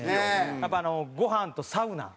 やっぱごはんとサウナ。